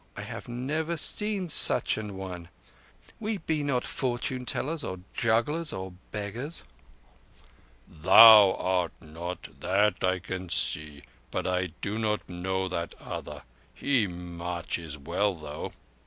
I have never seen such an one. We be not fortune tellers, or jugglers, or beggars." "Thou art not. That I can see. But I do not know that other. He marches well, though."